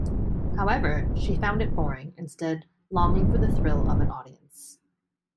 However, she found it boring, instead longing for the thrill of an audience.